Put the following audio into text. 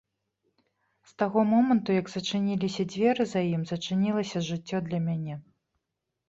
З таго моманту, як зачыніліся дзверы за ім, зачынілася жыццё для мяне.